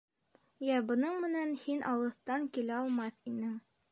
— Йә, бының менән һин алыҫтан килә алмаҫ инең...